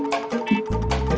kenapa gak ngajak saya